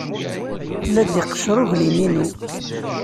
La d-iqeccer uglim-inu.